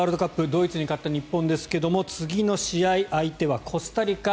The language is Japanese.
ドイツに勝った日本ですが次の試合、相手はコスタリカ。